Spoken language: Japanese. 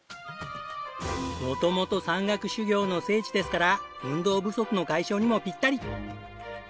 元々山岳修行の聖地ですから運動不足の解消にもピッタリ！